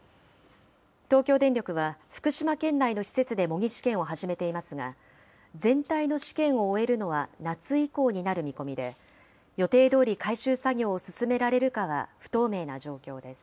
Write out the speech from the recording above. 東京電力は、福島県内の施設で模擬試験を始めていますが、全体の試験を終えるのは夏以降になる見込みで、予定どおり回収作業を進められるかは不透明な状況です。